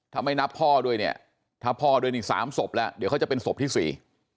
ทำให้นับพ่อด้วยเนี่ยถ้าพ่อด้วย๓ศพแล้วเขาจะเป็นศพที่๔